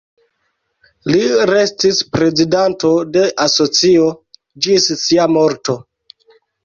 Li restis prezidanto de asocio ĝis sia morto.